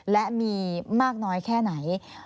และมีมากน้อยแค่ไหน